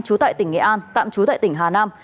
trú tại tỉnh nghệ an tạm trú tại tỉnh hà nam